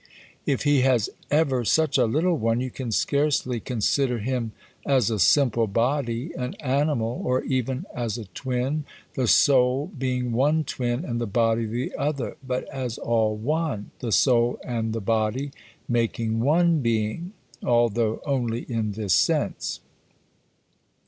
If he has ever such a little one, you can scarcely consider him as a simple body, an animal, or even as a twin, the soul being one twin and the body the other, but as all one, the soul and the body making one being (altho' only in this sense).